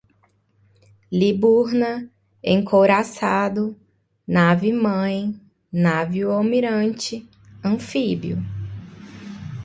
Liburna, encouraçado, nave-mãe, navio-almirante, anfíbio